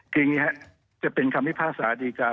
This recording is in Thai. คืออย่างนี้ครับจะเป็นคำพิพากษาดีการ